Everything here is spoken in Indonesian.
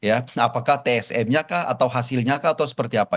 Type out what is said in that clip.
apakah tsm nya kah atau hasilnya kah atau seperti apa